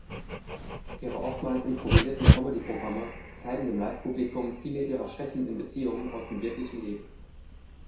Ihre oftmals improvisierten Comedy-Programme zeigen dem Live-Publikum viele ihrer Schwächen in Beziehungen aus dem wirklichen Leben.